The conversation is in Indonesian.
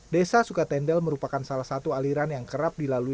desa sukatendel merupakan salah satu aliran yang kerap dilalui